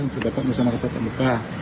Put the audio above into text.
untuk dapat bersama tetap muka